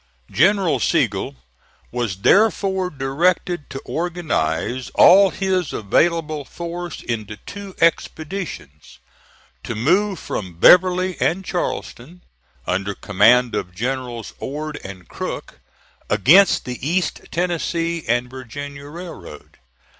General Sigel was therefore directed to organize all his available force into two expeditions, to move from Beverly and Charleston, under command of Generals Ord and Crook, against the East Tennessee and Virginia Railroad.